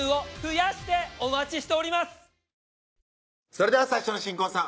それでは最初の新婚さん